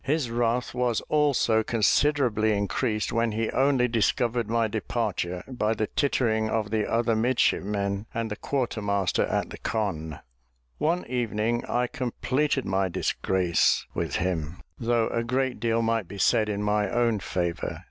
His wrath was also considerably increased when he only discovered my departure by the tittering of the other midshipmen and the quarter master at the conn. One evening, I completed my disgrace with him, though a great deal might be said in my own favour.